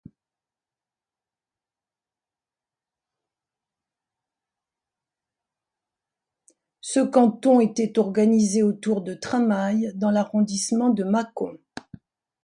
Ce canton était organisé autour de Tramayes dans l'arrondissement de Mâcon.